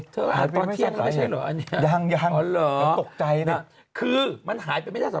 เธออ่านไปไม่ทราบอะไรยังยังตกใจ